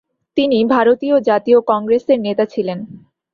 তিনি ভারতীয় জাতীয় কংগ্রেসের নেতা ছিলেন।